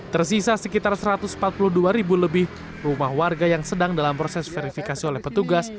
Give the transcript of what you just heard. tersisa sekitar satu ratus empat puluh dua ribu lebih rumah warga yang sedang dalam proses verifikasi oleh petugas